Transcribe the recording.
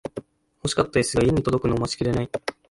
欲しかったイスが家に届くのを待ちきれない